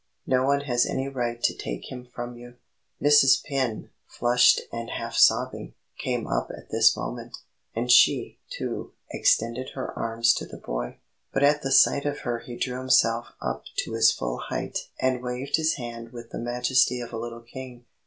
"No one has any right to take him from you." Mrs. Penn, flushed and half sobbing, came up at this moment, and she, too, extended her arms to the boy. But at the sight of her he drew himself up to his full height and waved his hand with the majesty of a little king.